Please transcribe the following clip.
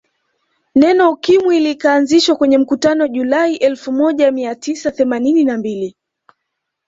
Neno Ukimwi likaanzishwa kwenye mkutano Julai elfu moja ia tisa themanini na mbili